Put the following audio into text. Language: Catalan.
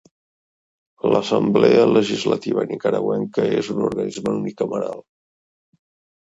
L'assemblea legislativa nicaragüenca és un organisme unicameral.